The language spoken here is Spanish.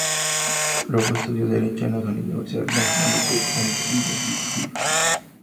Luego estudió Derecho en las Universidades Nacionales de Arequipa y Trujillo.